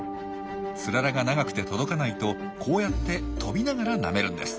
ツララが長くて届かないとこうやって飛びながらなめるんです。